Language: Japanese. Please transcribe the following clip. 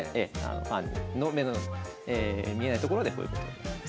まあ日の目の見えないところでこういうことを。